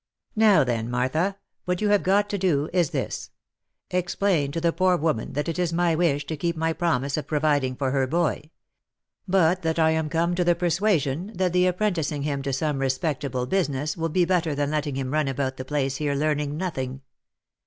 Now then, Martha, what you have got to do is this : Explain to the poor woman that it is my wish to keep my promise of providing for her boy ; but that I am come to the persua sion that the apprenticing him to some respectable business will be better than letting him run about the place here learning nothing.